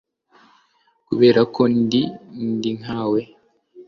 kubera ko ndi, ndi nkawe